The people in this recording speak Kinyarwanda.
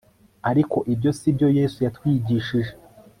ariko ibyo si byo Yesu yatwigishije